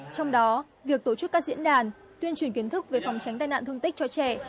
trong đó việc tổ chức các diễn đàn tuyên truyền kiến thức về phòng tránh tai nạn thương tích cho trẻ